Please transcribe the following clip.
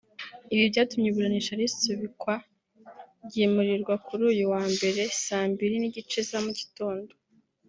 Ibi byatumye iburanisha risubikwa ryimurirwa kuri uyu wa Mbere saa mbili n’igice za mu gitondo